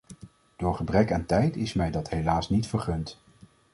Door gebrek aan tijd is mij dat helaas niet vergund.